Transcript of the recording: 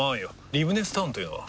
リブネスタウンというのは？